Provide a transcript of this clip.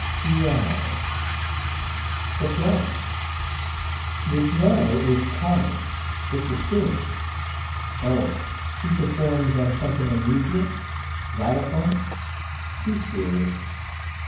"Piano!" "What's wrong?" "The piano is common: it's assumed." "Oh, she performs on something unusual? Xylophone?" "Be serious."